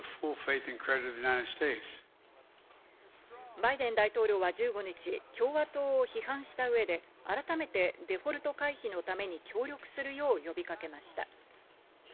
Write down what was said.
バイデン大統領は１５日、共和党を批判した上で、改めてデフォルト回避のために協力するよう、呼びかけました。